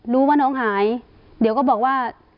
รู้ว่าน้องหายเดี๋ยวก็บอกว่า